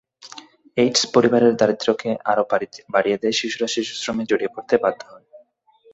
AIDS পরিবারের দারিদ্র্যকে আরও বাড়িয়ে দেয়, শিশুরা শিশুশ্রমে জড়িয়ে পড়তে বাধ্য হয়।